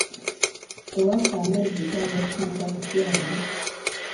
Ewaffe amazzi twagakimanga ku ddwaliro.